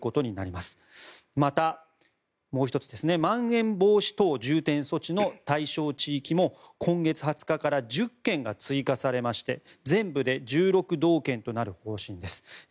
また、もう１つまん延防止等重点措置の対象地域も今月２０日から１０県が追加されまして全部で１６道県となる方針です。